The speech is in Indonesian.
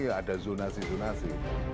tidak ada zonasi zonasi